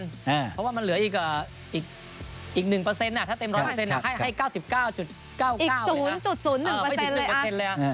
เพราะว่ามันเหลืออีก๑ถ้าเต็ม๑๐๐ให้๙๙๙๙อีก๐๐๑เลย